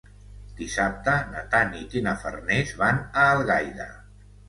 Dissabte na Tanit i na Farners van a Algaida.